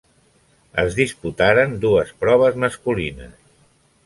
Es disputaren dues proves masculines.